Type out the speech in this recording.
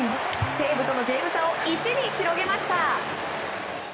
西武とのゲーム差を１に広げました。